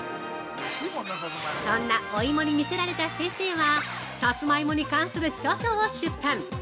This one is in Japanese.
そんなお芋に魅せられた先生はさつまいもに関する著書を出版！